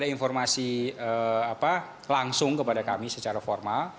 ada informasi langsung kepada kami secara formal